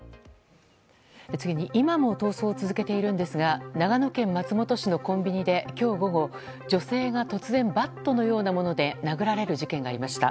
次に、今も逃走を続けているんですが長野県松本市のコンビニで今日午後女性が突然バットのようなもので殴られる事件がありました。